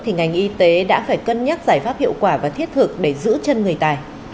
thì ngành y tế đã phải cân nhắc giải pháp hiệu quả và thiết thực để giữ chân người tài